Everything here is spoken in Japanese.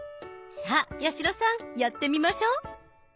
さあ八代さんやってみましょう。